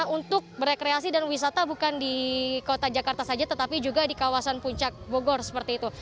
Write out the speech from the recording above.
untuk berekreasi dan wisata bukan di kota jakarta saja tetapi juga di kawasan puncak bogor seperti itu